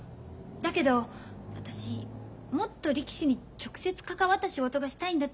だけど私もっと力士に直接関わった仕事がしたいんだって気付いたんです。